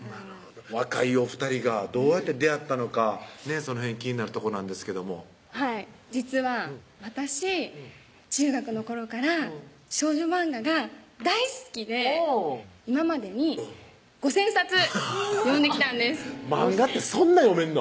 若いお２人がどうやって出会ったのかその辺気になるとこなんですけども実は私中学の頃から少女マンガが大好きで今までに５０００冊読んできたんですマンガってそんな読めんの？